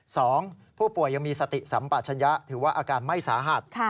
สองผู้ป่วยยังมีสติสัมปัชญะถือว่าอาการไม่สาหัส